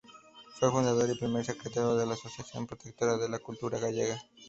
Fue fundador y primer secretario de la Asociación Protectora de la Cultura Gallega.